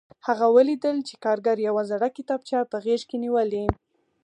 هغه ولیدل چې کارګر یوه زړه کتابچه په غېږ کې نیولې